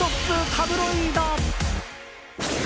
タブロイド。